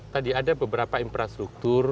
tadi ada beberapa infrastruktur